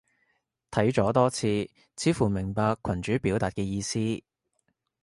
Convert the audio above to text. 睇咗多次，似乎明白群主表達嘅意思